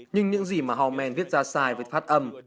nhưng những gì mà homan viết ra sai với phát âm